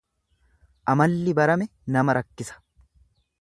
Amalli barame nama rakkisa.